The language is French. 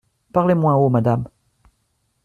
Parlez moins haut, madame.